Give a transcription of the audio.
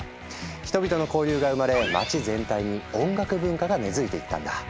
人々の交流が生まれ街全体に音楽文化が根づいていったんだ。